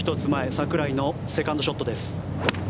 櫻井のセカンドショットです。